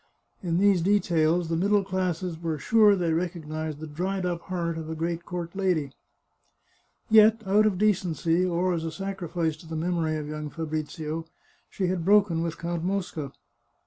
In these details the middle classes were sure they recognised the dried up heart of a great court lady. Yet, out of decency, or as a sacrifice to the memory of young Fabrizio, she had broken with Count Mosca.